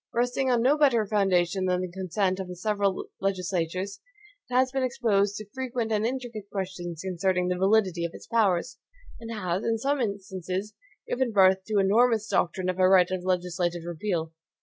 Resting on no better foundation than the consent of the several legislatures, it has been exposed to frequent and intricate questions concerning the validity of its powers, and has, in some instances, given birth to the enormous doctrine of a right of legislative repeal.